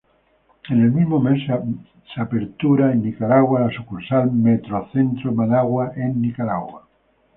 En el mismo mes se apertura en Nicaragua la sucursal Metrocentro Managua en Nicaragua.